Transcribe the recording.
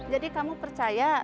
jadi kamu percaya